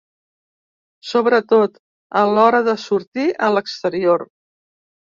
Sobretot, a l’hora de sortir a l’exterior.